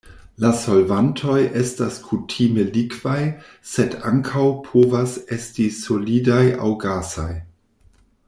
La solvantoj estas kutime likvaj sed ankaŭ povas esti solidaj aŭ gasaj.